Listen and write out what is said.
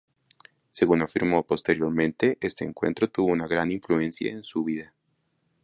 Según afirmó posteriormente, este encuentro tuvo gran influencia en su vida.